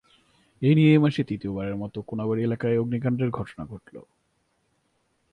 এ নিয়ে এই মাসে তৃতীয়বারের মতো কোনাবাড়ী এলাকায় অগ্নিকাণ্ডের ঘটনা ঘটল।